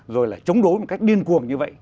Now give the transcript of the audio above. rồi là chống đối một cách điên cuồng như vậy